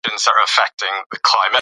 زما زخمونه د هغې په وړاندې بېحسه شوي وو.